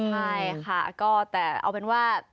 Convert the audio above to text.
ใช่ค่ะก็แต่เอาเป็นว่า